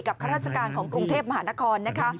ข้าราชการของกรุงเทพมหานครนะคะ